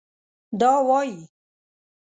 دا وايي